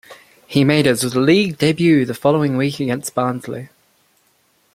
He made his League debut the following week against Barnsley.